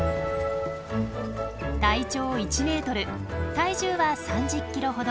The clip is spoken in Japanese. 体長１メートル体重は３０キロほど。